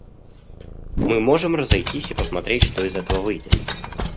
Мы можем разойтись и посмотреть, что из этого выйдет.